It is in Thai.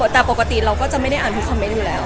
แต่ปกติเราก็จะไม่ได้อ่านทุกคอมเมนต์อยู่แล้ว